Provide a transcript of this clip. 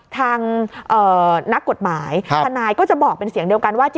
ทางนักกฎหมายทนายก็จะบอกเป็นเสียงเดียวกันว่า